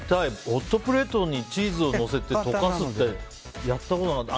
ホットプレートにチーズをのせて溶かすってやったことなかった。